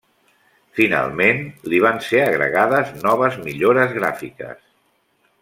Finalment, li van ser agregades noves millores gràfiques.